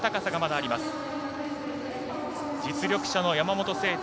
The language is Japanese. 実力者の山本聖途。